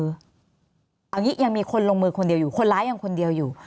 เอาอย่างนี้ยังมีคนลงมือคนเดียวอยู่คนร้ายยังคนเดียวอยู่